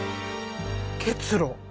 結露。